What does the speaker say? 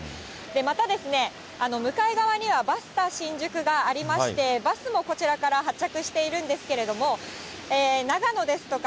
また、向かい側にはバスタ新宿がありまして、バスもこちらから発着しているんですけれども、長野ですとか